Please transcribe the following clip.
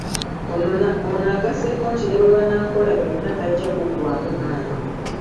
Ono agasseeko nti ne bwe banaakola byonna tajja kuggwaamu maanyi.